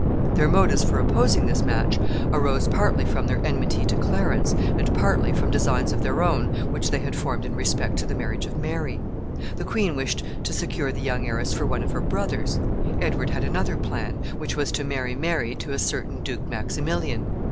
Their motives for opposing this match arose partly from their enmity to Clarence, and partly from designs of their own which they had formed in respect to the marriage of Mary. The queen wished to secure the young heiress for one of her brothers. Edward had another plan, which was to marry Mary to a certain Duke Maximilian.